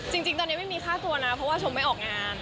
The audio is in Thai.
จริงตอนนี้ไม่มีค่าตัวนะเพราะว่าชมไม่ออกงาน